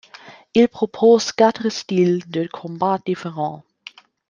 Il propose quatre styles de combats différents.